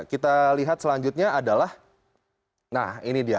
kita lihat selanjutnya adalah nah ini dia